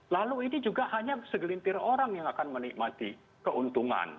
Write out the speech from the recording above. lalu ini juga hanya segelintir orang yang akan menikmati keuntungan